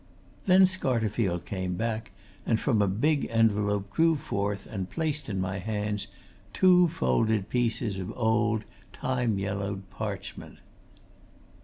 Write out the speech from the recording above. Then Scarterfield came back and from a big envelope drew forth and placed in my hands two folded pieces of old, time yellowed parchment.